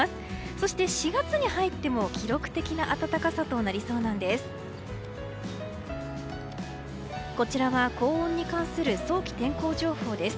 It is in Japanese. そして４月に入っても記録的な暖かさとなりそうなんです。